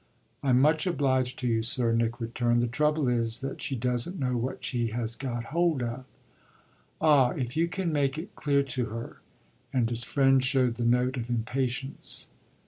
"I'm much obliged to you, sir," Nick returned. "The trouble is that she doesn't know what she has got hold of." "Ah, if you can't make it clear to her!" and his friend showed the note of impatience.